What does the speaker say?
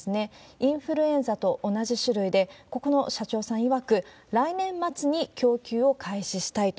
インフルエンザと同じ種類で、ここの社長さんいわく、来年末に供給を開始したいと。